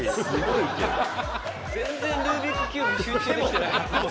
「全然ルービックキューブに集中できてない」